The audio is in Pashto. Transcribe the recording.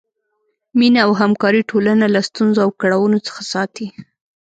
مینه او همکاري ټولنه له ستونزو او کړاوونو څخه ساتي.